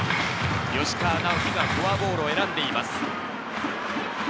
吉川尚輝がフォアボールを選んでいます。